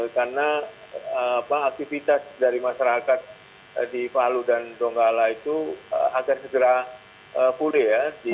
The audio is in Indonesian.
karena aktivitas dari masyarakat di palu dan donggala itu agar segera pulih ya